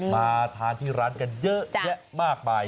มาทานที่ร้านกันเยอะแยะมากมาย